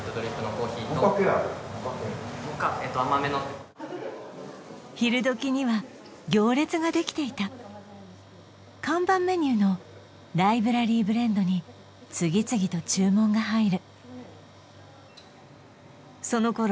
モカ甘めの昼どきには行列ができていた看板メニューのライブラリーブレンドに次々と注文が入るそのころ